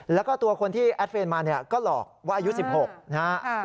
แล้วก็ตัวคนที่แอดเฟรนมาก็หลอกว่าอายุ๑๖